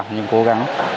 nhưng cố gắng